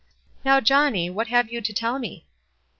"Now, Johnny, what have you to tell me?"